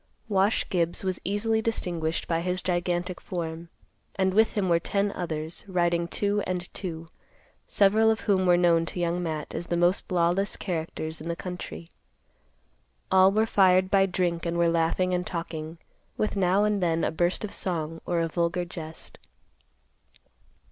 Wash Gibbs was easily distinguished by his gigantic form, and with him were ten others, riding two and two, several of whom were known to Young Matt as the most lawless characters in the country. All were fired by drink and were laughing and talking, with now and then a burst of song, or a vulgar jest.